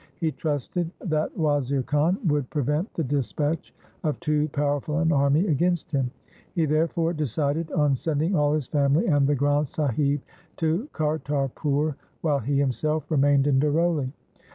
He trusted that Wazir Khan would prevent the dispatch of too powerful an army against him. He therefore decided on sending all his family and the Granth Sahib to Kartarpur, while he himself remained in Daroli.